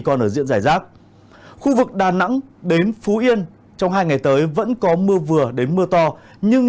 còn ở diện giải rác khu vực đà nẵng đến phú yên trong hai ngày tới vẫn có mưa vừa đến mưa to nhưng